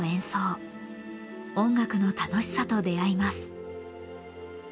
音楽の楽しさと出会います。